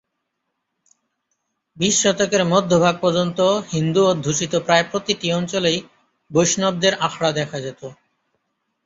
বিশ শতকের মধ্যভাগ পর্যন্ত হিন্দু অধ্যুষিত প্রায় প্রতিটি অঞ্চলেই বৈষ্ণবদের আখড়া দেখা যেত।